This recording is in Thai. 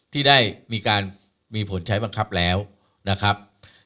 ที่ได้มีการมีผลใช้บังคับแล้วนะครับ